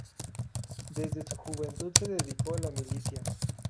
Desde su juventud se dedicó a la milicia.